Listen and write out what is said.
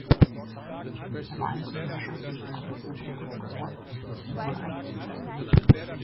Er war ein Cousin ersten Grades von Edward Upward und wurde einst beseitigt.